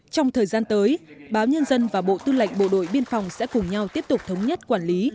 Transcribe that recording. trong thời gian tới báo nhân dân và bộ tư lệnh bộ đội biên phòng sẽ cùng nhau tiếp tục thống nhất quản lý